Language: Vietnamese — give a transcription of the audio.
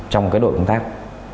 trong cái đội công tác